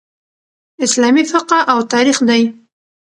اسلامي فقه او تاریخ دئ.